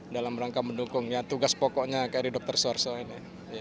dalam rangka mendukungnya tugas pokoknya kri dr suarso ini